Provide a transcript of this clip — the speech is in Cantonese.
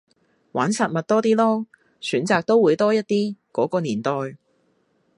玩實物多啲囉，選擇都會多一啲，嗰個年代